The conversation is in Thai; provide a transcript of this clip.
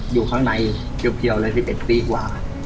อยู่ข้างในเพียวเลยที่เป็นปีกว่า